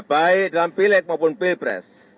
baik dalam pilih maupun pilih beres